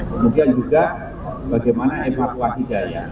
kemudian juga bagaimana evakuasi daya